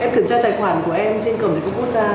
em kiểm tra tài khoản của em trên cầm thế công quốc gia